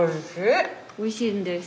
おいしいんです。